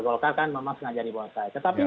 golkar kan memang sengaja di golkar tetapi